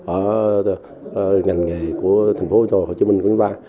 ở ngành nghề của thành phố hồ chí minh quý ba